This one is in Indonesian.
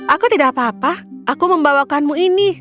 aku tidak apa apa aku membawakanmu ini